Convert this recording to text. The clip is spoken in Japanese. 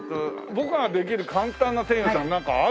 僕ができる簡単な手品ってなんかある？